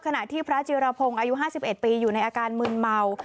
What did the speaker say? ขณะที่พระเจราโพงอายุห้าสิบเอ็ดปีอยู่ในอาการมึนเมา